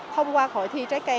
thông qua hội thi trái cây